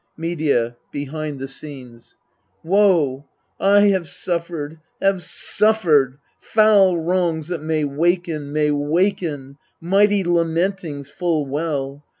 Medea (behind the scenes). Woe! I have suffered, have suf fered, foul wrongs that may waken, may waken, Mighty lamentings full well!